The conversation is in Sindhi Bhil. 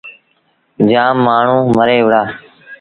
جآم مآڻهوٚݩ مري وُهڙآ۔